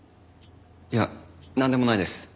いやなんでもないです。